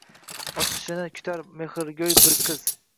Ochishimni kutar mohiro’y bir qiz